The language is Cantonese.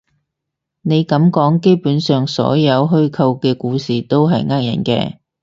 你噉講，基本上所有虛構嘅故事都係呃人嘅